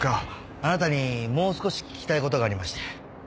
あなたにもう少し聞きたい事がありまして。